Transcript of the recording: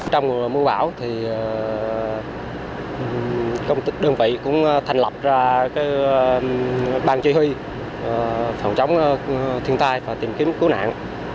trong mùa bão thì công ty đơn vị cũng thành lập ra cái ban chế huy phòng chống thiên tài và tìm kiếm cứu nạn